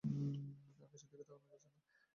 আকাশের দিকে তাকানাে যাচ্ছে।